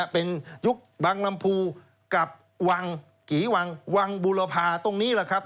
เป็นยุคบังลำพูกับวังกี่วังวังบูรพาตรงนี้แหละครับ